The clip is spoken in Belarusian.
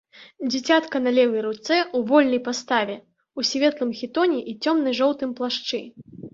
Дзіцятка на левай руцэ ў вольнай паставе, у светлым хітоне і цёмна-жоўтым плашчы.